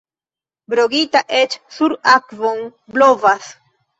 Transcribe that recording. Brogita eĉ sur akvon blovas.